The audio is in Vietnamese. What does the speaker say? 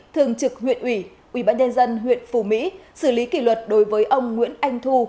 thường trực huyện ủy ubnd huyện phù mỹ xử lý kỷ luật đối với ông nguyễn anh thu